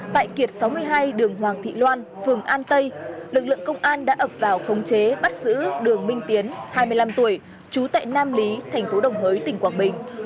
tại kiệt sáu mươi hai đường hoàng thị loan phường an tây lực lượng công an đã ập vào khống chế bắt giữ đường minh tiến hai mươi năm tuổi trú tại nam lý thành phố đồng hới tỉnh quảng bình